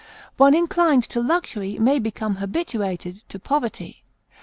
One inclined to luxury may become habituated to poverty.